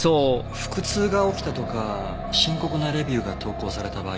腹痛が起きたとか深刻なレビューが投稿された場合は。